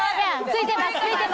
ついてます。